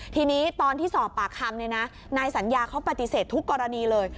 ทีนี้ตอนที่สอบปากคำนายสัญญาเขาปฏิเสธทุกกรณีเลย